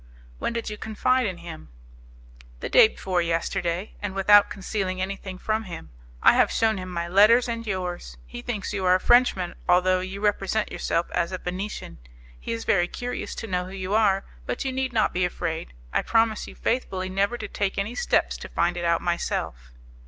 "When did you confide in him?" "The day before yesterday, and without concealing anything from him. I have shewn him my letters and yours; he thinks you are a Frenchman, although you represent yourself as a Venetian. He is very curious to know who you are, but you need not be afraid; I promise you faithfully never to take any steps to find it out myself."